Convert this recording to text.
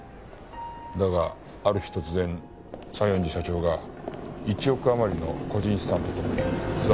だがある日突然西園寺社長が１億あまりの個人資産とともに姿を消した。